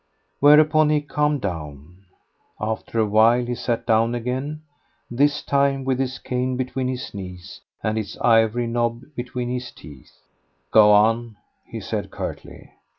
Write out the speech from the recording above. Whereupon he calmed down; after a while he sat down again, this time with his cane between his knees and its ivory knob between his teeth. "Go on," he said curtly.